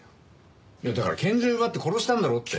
いやだから拳銃奪って殺したんだろって。